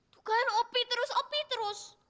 bukan opi terus opi terus